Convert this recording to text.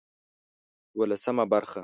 دولسمه برخه